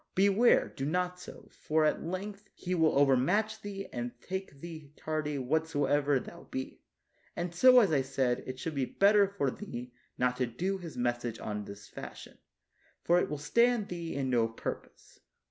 Beware, do not so, for at length He will overmatch thee and take thee tardy what soever thou be; and so, as I said, it should be better for thee not to do His message on this fashion, for it will stand thee in no purpose.